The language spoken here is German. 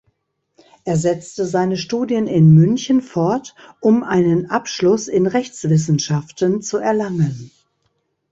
Er setzte seine Studien in München fort, um einen Abschluss in Rechtswissenschaften zu erlangen.